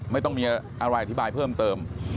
ไม่ต้องมีอะไรอธิบายเพิ่มเติม